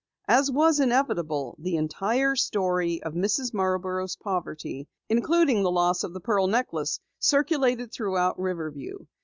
As was inevitable, the entire story of Mrs. Marborough's poverty, including the loss of the pearl necklace, circulated throughout Riverview.